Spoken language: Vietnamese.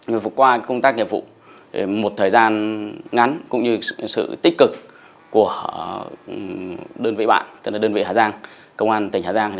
vừa qua công tác nghiệp vụ một thời gian ngắn cũng như sự tích cực của đơn vị hà giang công an tỉnh hà giang